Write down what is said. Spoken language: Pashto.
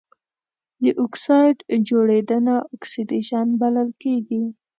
د اکسايډ جوړیدنه اکسیدیشن بلل کیږي.